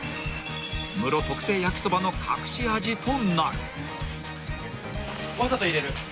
［ムロ特製焼きそばの隠し味となる］わざと入れる。